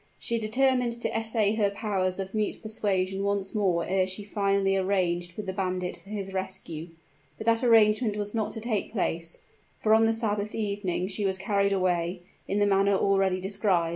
She had determined to essay her powers of mute persuasion once more ere she finally arranged with the bandit for his rescue. But that arrangement was not to take place; for on the Sabbath evening she was carried away, in the manner already described.